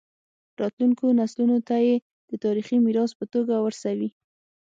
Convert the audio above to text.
راتلونکو نسلونو ته یې د تاریخي میراث په توګه ورسوي.